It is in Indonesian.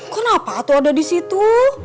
kenapa aku ada di situ